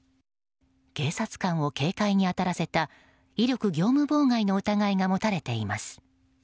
警察官を警戒に当たらせた威力業務妨害の疑いが持たれています。